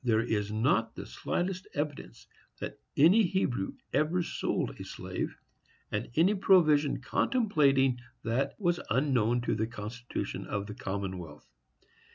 There is not the slightest evidence that any Hebrew ever sold a slave; and any provision contemplating that was unknown to the constitution of the Commonwealth.